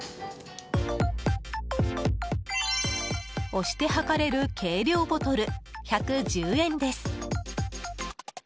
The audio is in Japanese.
押して計れる計量ボトル１１０円です。